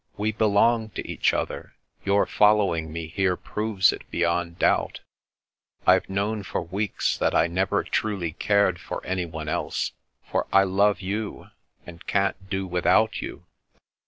We belong to each other; your following me here proves it beyond doubt. IVe known for weeks that I never truly cared for anyone else, for I love you, and can't do without you."